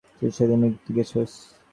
সত্যিই বড় হয়ে গেছিস তুই!